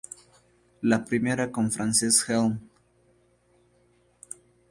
La primera con Frances Helm.